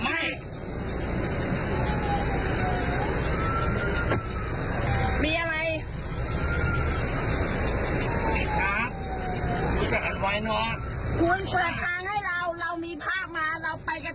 คุณเติบทางให้เราเรามีภาคมาเราไปกรถถึง